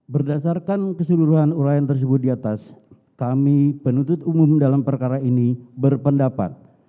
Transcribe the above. berdasarkan keseluruhan urayan tersebut di atas kami penuntut umum dalam perkara ini berpendapat